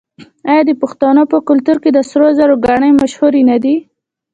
آیا د پښتنو په کلتور کې د سرو زرو ګاڼې مشهورې نه دي؟